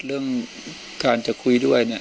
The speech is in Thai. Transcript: เรื่องการจะคุยด้วย